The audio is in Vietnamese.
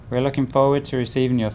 hoặc địa chỉ email tạp chígnacomgmail com